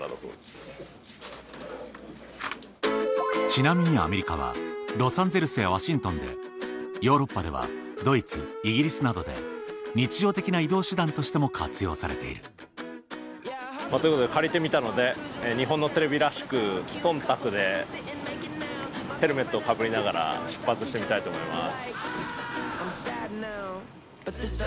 ちなみにアメリカはロサンゼルスやワシントンでヨーロッパではドイツイギリスなどで日常的な移動手段としても活用されているということで借りてみたので日本のテレビらしく忖度でヘルメットをかぶりながら出発してみたいと思います。